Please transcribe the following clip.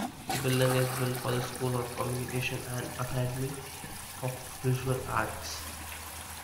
The building is built for the School of Communication and Academy of Visual Arts.